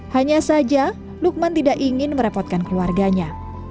hanya saja lukman tidak ingin merepotkan keluarganya